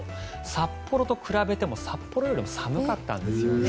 札幌と比べても札幌よりも寒かったんですよね。